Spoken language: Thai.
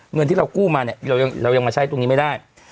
เงินที่เรากู้มาเนี่ยเรายังมาใช้ตรงนี้ไม่ได้